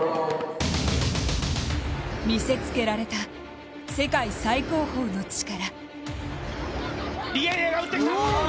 見せつけられた世界最高峰の力。